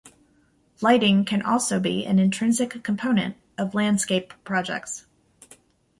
Lighting can also be an intrinsic component of landscape projects.